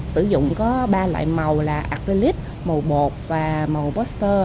sử dụng có ba loại màu là arlip màu bột và màu poster